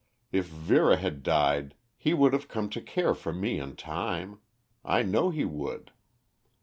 If Vera had died he would have come to care for me in time. I know he would.